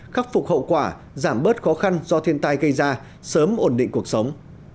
khắc phục hậu quả giảm bớt khó khăn do thiên tai gây ra sớm ổn định cuộc sống